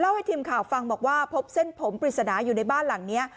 ให้ทีมข่าวฟังบอกว่าพบเส้นผมปริศนาอยู่ในบ้านหลังนี้